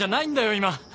今！